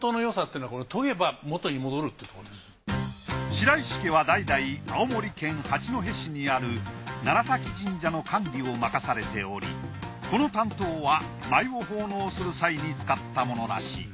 白石家は代々青森県八戸市にある七崎神社の管理を任されておりこの短刀は舞を奉納する際に使ったものらしい。